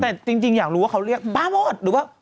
แต่จริงอยากรู้ว่าเขาเรียกป้าโมดหรือว่า